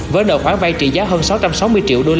với nợ khoản vay trị giá hơn sáu trăm sáu mươi triệu usd